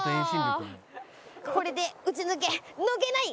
これで打ち抜け抜けない！